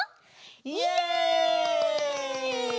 イエイ！